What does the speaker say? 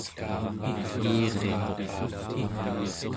iiriquq